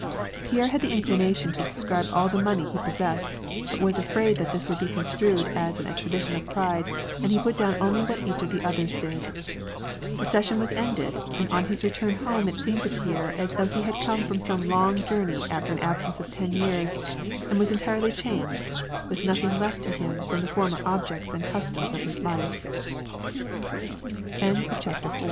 Pierre had the inclination to subscribe all the money that he possessed, but he was afraid that this would be construed as an exhibition of pride, and he put down only what each of the others did. The session was ended, and on his return home it seemed to Pierre as thoug]i he had come from some long journey after an absence of ten years, and was entirely changed, with nothing left to